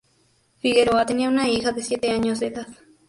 Figueroa tenía una hija de siete años de edad.